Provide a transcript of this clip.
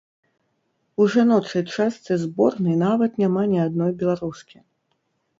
У жаночай частцы зборнай нават няма ні адной беларускі!